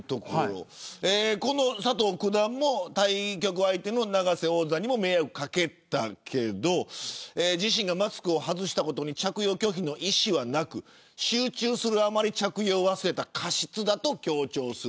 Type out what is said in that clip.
佐藤九段も対局相手の永瀬王座に迷惑をかけたけど自身がマスクを外したことに着用拒否の意識はなく集中するあまり着用を忘れた過失だと言っています。